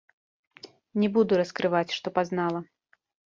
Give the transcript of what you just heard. Не буду раскрываць, што пазнала.